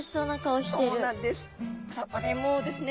そこでもうですね